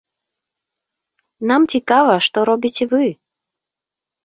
Нам цікава, што робіце вы.